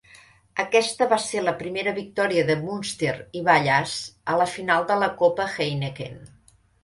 Aquesta va ser la primera victòria de Munster i Wallace a la final de la Copa Heineken.